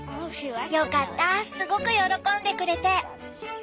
よかったすごく喜んでくれて！